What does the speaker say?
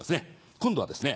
今度はですね